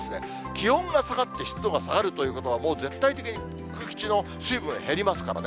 気温が下がって湿度が下がるということは、もう絶対的に空気中の水分が減りますからね。